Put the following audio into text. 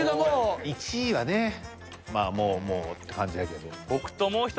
１位はねまあもうもうって感じだけど。